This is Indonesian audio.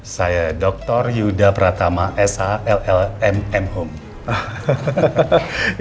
saya dr yuda pratama s a ll m m home